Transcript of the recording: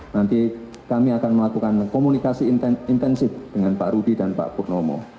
nanti kami akan melakukan komunikasi intensif dengan pak rudi dan pak purnomo